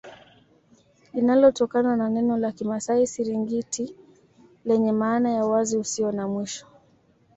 Linalotokana na neno la kimasai Siringiti lenye maana ya uwazi usio na mwisho